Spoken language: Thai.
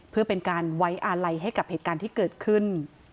เพื่อเป็นการไว้อาลัยให้กับเหตุการณ์ที่เกิดขึ้น